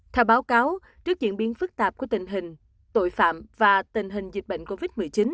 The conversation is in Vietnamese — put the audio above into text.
theo báo cáo trước diễn biến phức tạp của tình hình tội phạm và tình hình dịch bệnh covid một mươi chín